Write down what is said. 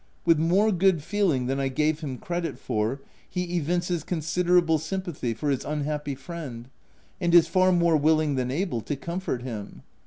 With more good feeling than I gave him credit for, he evinces considerable sympathy for his unhappy friend, and is far more willing than able to comfort him.